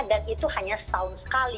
dan itu hanya setahun sekali